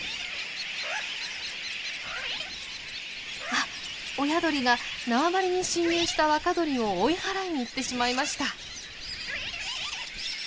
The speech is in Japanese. あっ親鳥が縄張りに侵入した若鳥を追い払いに行ってしまいました。